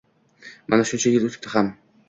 Mana shuncha yil o‘tibdi ham